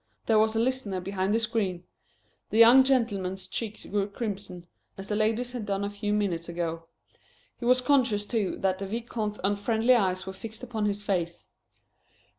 There was a listener behind the screen. The young gentleman's cheeks grew crimson, as the lady's had done a few minutes before. He was conscious, too, that the Vicomte's unfriendly eyes were fixed upon his face.